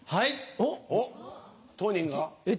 おっ！